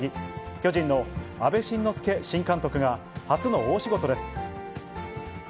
巨人の阿部慎之助新監督が、初の大仕事です。